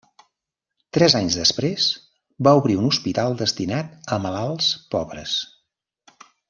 Tres anys després, va obrir un hospital destinat a malalts pobres.